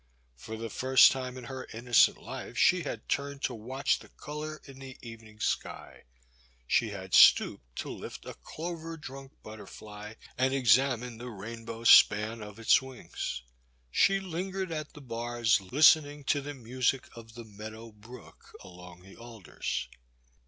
For the first time in her innocent life she had turned to watch the colour in the evening sky, she had stooped to lift a clover drunk butterfly and exam ine the rainbow span of its wings, she lingered at The Boys Sister. 253 the bars, listening to the music of the meadow brook along the alders.